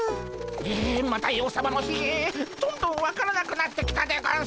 エンマ大王さまのひげどんどん分からなくなってきたでゴンス。